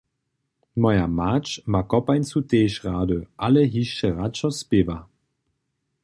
Moja mać ma kopańcu tež rady, ale hišće radšo spěwa.